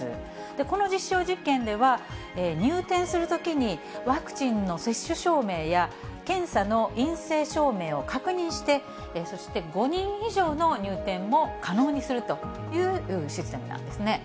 この実証実験では、入店するときにワクチンの接種証明や、検査の陰性証明を確認して、そして５人以上の入店も可能にするというシステムなんですね。